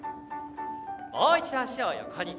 もう一度、足を横に。